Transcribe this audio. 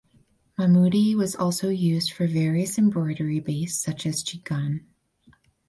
Mahmudi was also used for various embroidery base such as chikan.